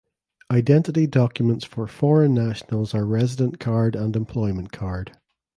Identity documents for foreign nationals are resident card and employment card.